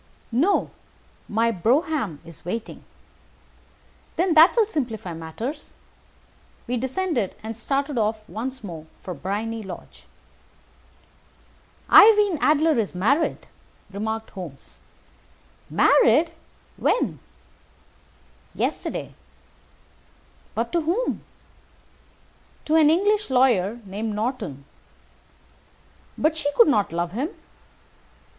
"No, my brougham is waiting." "Then that will simplify matters." We descended, and started off once more for Briony Lodge. "Irene Adler is married," remarked Holmes. "Married! When?" "Yesterday." "But to whom?" "To an English lawyer named Norton." "But she could not love him."